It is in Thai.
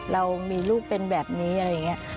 เรามีลูกเป็นแบบนี้อะไรอย่างนี้